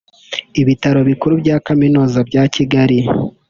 ibitaro bikuru bya kaminuza bya Kigali